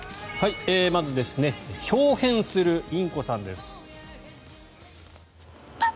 まず、ひょう変するインコさんです。